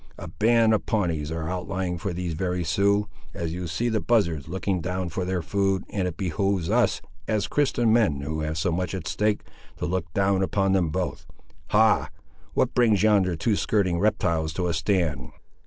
A band of Pawnees are outlying for these very Siouxes, as you see the buzzards looking down for their food, and it behoves us, as Christian men who have so much at stake, to look down upon them both. Ha! what brings yonder two skirting reptiles to a stand?